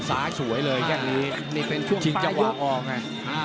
ซ้ายสวยเลยแค่งนี้นี่เป็นช่วงช่วงจังหว่าอองน่ะ